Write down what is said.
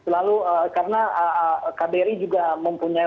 lalu karena kbri juga mempunyai